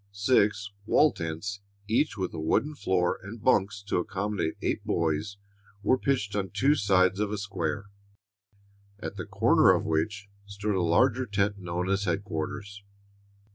Six wall tents, each with a wooden floor and bunks to accommodate eight boys, were pitched on two sides of a square, at the corner of which stood a larger tent known as headquarters.